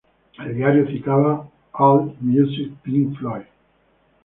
El diario citaba alt.music.pink-floyd.